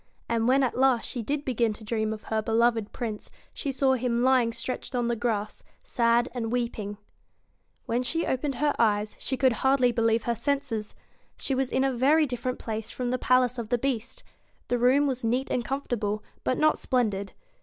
And when at last she did begin to dream of her beloved Prince, she saw him lying stretched on the grass, sad and weeping. 95 When she opened her eyes, she could hardly AV ^ THE believe her senses. She was in a very different BEAST place f rom the p a i ace O f the Beast. The room was neat and comfortable, but not splendid.